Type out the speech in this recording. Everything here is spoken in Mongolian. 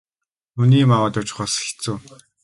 Хүний юм аваад явчих бас хэцүү.